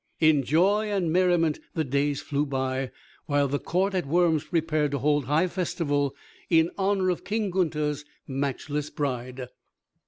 In joy and merriment the days flew by, while the court at Worms prepared to hold high festival in honor of King Gunther's matchless bride.